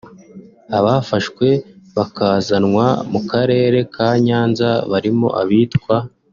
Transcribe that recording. Abafashwe bakazanwa mu karere ka Nyanza barimo abitwa